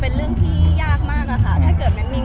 แม็กซ์ก็คือหนักที่สุดในชีวิตเลยจริง